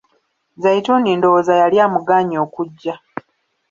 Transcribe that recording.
Zaituni ndowooza yali amugaanye okugya.